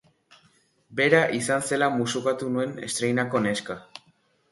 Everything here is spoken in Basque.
Bera izan zela musukatu nuen estreinako neska.